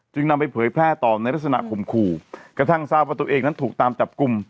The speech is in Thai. นำไปเผยแพร่ต่อในลักษณะข่มขู่กระทั่งทราบว่าตัวเองนั้นถูกตามจับกลุ่ม